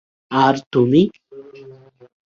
আর তুমি?